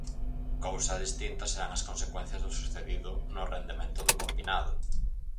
Cousa distinta serán as consecuencias do sucedido no rendemento do combinado.